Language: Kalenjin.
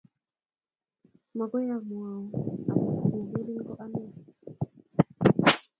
Mokoi amwaun ale nyalil ko ne.